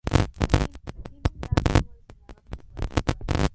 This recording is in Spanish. Kevin Dardo actúa como diseñador visual.